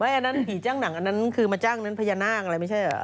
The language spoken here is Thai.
เป็นอย่างไงอันนั้นผีจ้างหนังเอาหนังผญนากไม่ใช่เหรอ